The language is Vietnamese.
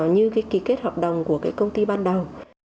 như ký kết hợp đồng của cái công ty ban đầu